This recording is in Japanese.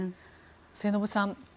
末延さん